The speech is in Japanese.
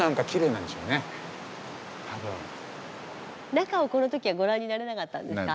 中をこの時はご覧になれなかったんですか？